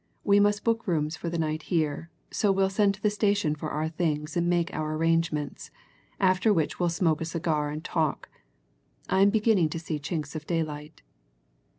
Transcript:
"We must book rooms for the night here, so we'll send to the station for our things and make our arrangements, after which we'll smoke a cigar and talk I am beginning to see chinks of daylight."